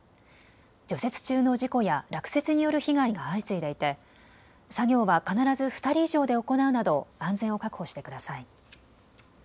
除雪中の事故や落雪による被害が相次いでいて作業は必ず２人以上で行うなど安全を確保してください。